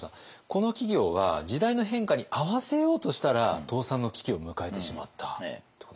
この企業は時代の変化に合わせようとしたら倒産の危機を迎えてしまったっていうことですね。